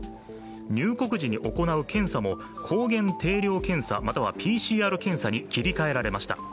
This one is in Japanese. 入国時に行う検査も抗原定量検査、またはＰＣＲ検査に切り替えられました。